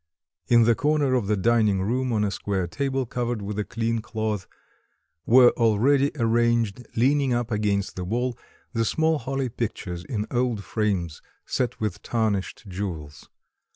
In the corner of the dining room on a square table covered with a clean cloth were already arranged, leaning up against the wall, the small holy pictures in old frames, set with tarnished jewels.